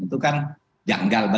itu kan janggal